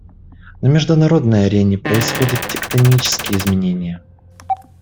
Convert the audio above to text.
На международной арене происходят тектонические изменения.